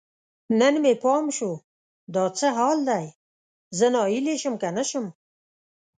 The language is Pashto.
نن مې پام شو، دا څه حال دی؟ زه ناهیلی شم که نه شم